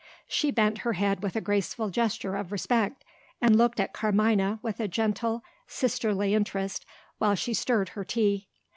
She bent her head with a graceful gesture of respect, and looked at Carmina with a gentle sisterly interest while she stirred her tea.